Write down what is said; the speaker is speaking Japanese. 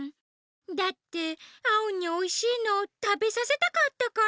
だってアオにおいしいのたべさせたかったから。